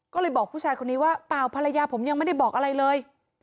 ก็เลยบอกผู้ชายคนนี้ว่าเปล่าภรรยาผมยังไม่ได้บอกอะไรเลย